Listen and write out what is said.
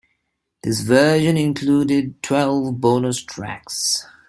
This version included twelve bonus tracks.